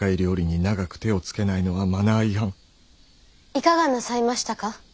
いかがなさいましたか？